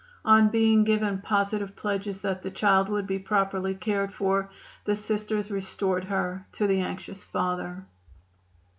On being given positive pledges that the child would be properly cared for the Sisters restored her to the anxious father.